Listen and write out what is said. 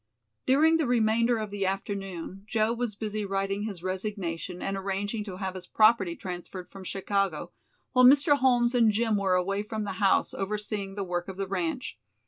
During the remainder of the afternoon Joe was busy writing his resignation and arranging to have his property transferred from Chicago, while Mr. Holmes and Jim were away from the house overseeing the work of the ranch.